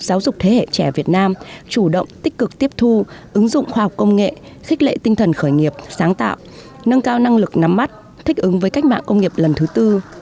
giáo dục thế hệ trẻ việt nam chủ động tích cực tiếp thu ứng dụng khoa học công nghệ khích lệ tinh thần khởi nghiệp sáng tạo nâng cao năng lực nắm mắt thích ứng với cách mạng công nghiệp lần thứ tư